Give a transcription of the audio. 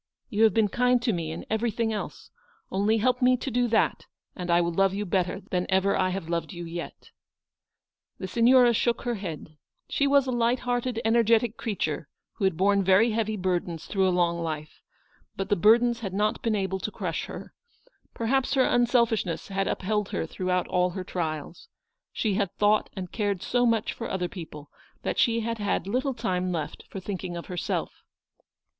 You have been kind to me in everything else. Only help me to do that and I will love you better than ever I have loved you yet." The Signora shook her head. She was a light hearted, energetic creature, who had borne very heavy burdens through a long life ; but the burdens had not been able to crush her. Perhaps her unselfishness had upheld her throughout all her trials. She had thought and cared so much for other people, that she had had little time left for thinking of herself.